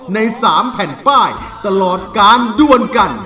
ใน๓แผ่นป้ายตลอดการด้วนกัน